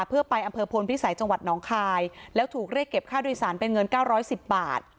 เพื่อไปอำเภอพลพิสัยจังหวัดหนองคายแล้วถูกเรียกเก็บค่าโดยสารเป็นเงิน๙๑๐บาท